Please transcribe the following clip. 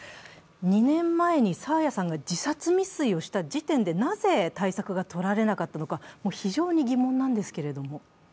２年前に爽彩さんが自殺未遂をした時点でなぜ対策がとられなかったのか非常に疑問なんですけれども？